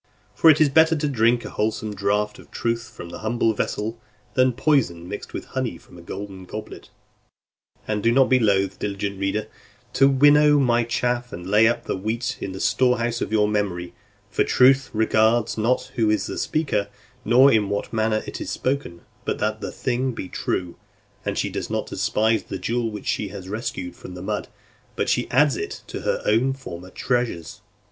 For it is better to drink a wholesome draught of truth from the humble vessel, than poison mixed with honey from a golden goblet. 2. And do not be loath, diligent reader, to winnow my chaff, and lay up the wheat in the storehouse of your memory: for truth regards not who is the speaker, nor in what manner it is spoken, but that the thing be true; and she does not despise the jewel which she has rescued from the mud, but she adds it to her former treasures.